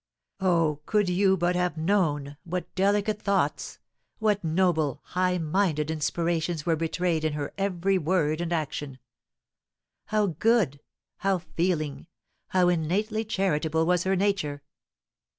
Oh, could you but have known what delicate thoughts, what noble, high minded inspirations were betrayed in her every word and action! How good, how feeling, how innately charitable was her nature!